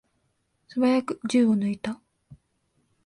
すばやく銃を抜いた。